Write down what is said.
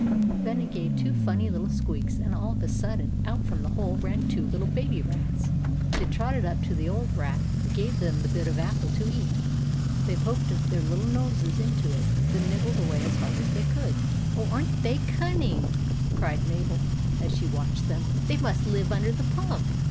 Then it gave two funny little squeaks, and all of a sudden out from the hole ran two little baby rats. They trotted up to the old rat, who gave them the bit of apple to eat. They poked their little noses into it, and nibbled away as hard as they could. " Oh, are n't they cunning I " cried Mabel, as she watched them. "They must live under the pump."